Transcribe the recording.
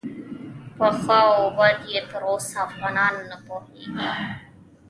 په ښه او بد یې تر اوسه افغانان نه پوهیږي.